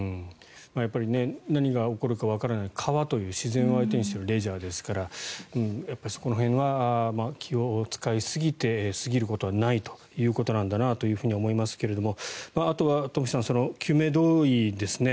やっぱり何が起こるかわからない川という自然を相手にしているレジャーですからそこら辺は気を使いすぎてすぎることはないということなんだなと思いますがあとは東輝さん、救命胴衣ですね。